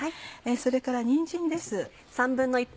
それからにんじんです。